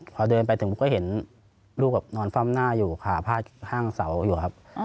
พอเดินไปถึงปุ๊บก็เห็นลูกนอนคว่ำหน้าอยู่ขาพาดห้างเสาอยู่ครับ